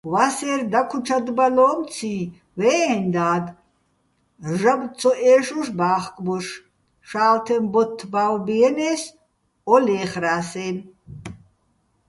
ვასერ დაქუჩადბალო́მციჼ ვე́ჸეჼ და́დ, ჟაბო́ ცოჸე́შუშ ბა́ხკბოშ: "შა́ლთეჼ ბოთთ ბავბიენე́ს, ო ლე́ხრას"-აჲნო̆.